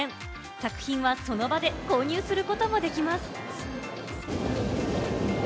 作品はその場で購入することもできます。